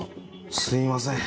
すいません。